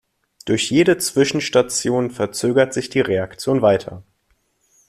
Durch jede Zwischenstation verzögert sich die Reaktion weiter.